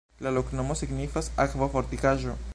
La loknomo signifas: akvo-fortikaĵo.